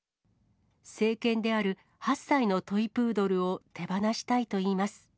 成犬である８歳のトイプードルを手放したいといいます。